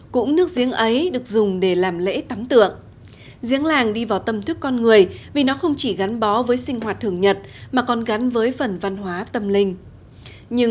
có những chiếc giếng đã xuất hiện trong sân đình sân chùa từ rất lâu